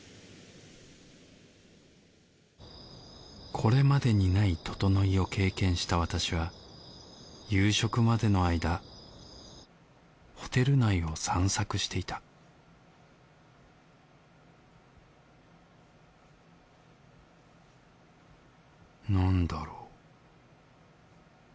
これまでにないととのいを経験した私は夕食までの間ホテル内を散策していた何だろう？